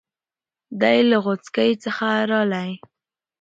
دی له غوڅکۍ څخه رالی.